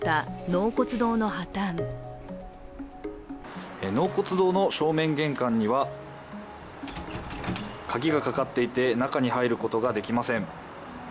納骨堂の正面玄関には鍵がかかっていて中に入ることができません。